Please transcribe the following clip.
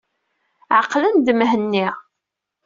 Ɛqlet-d Mhenni.